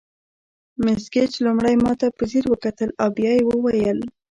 مس ګیج لومړی ماته په ځیر وکتل او بیا یې وویل.